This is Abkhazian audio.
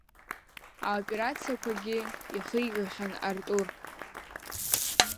Аоперациақәагьы ихигахьан Артур.